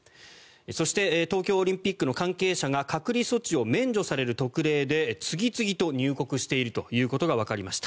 そして東京オリンピックの関係者が隔離措置を免除される特例で次々と入国していることがわかりました。